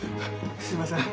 すいません。